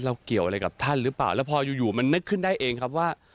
เกี่ยวอะไรกับท่านหรือเปล่าแล้วพออยู่มันนึกขึ้นได้เองครับว่า